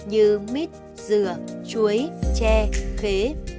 như mít dừa chuối che khế